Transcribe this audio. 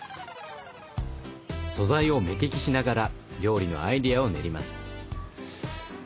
素材を目利きしながら料理のアイデアを練ります。